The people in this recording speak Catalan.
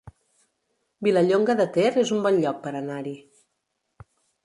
Vilallonga de Ter es un bon lloc per anar-hi